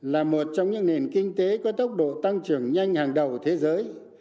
là một trong những nền kinh tế có tốc độ tăng trưởng nhanh hàng đầu thế giới